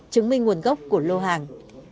chứng minh nguồn gốc của lô hàng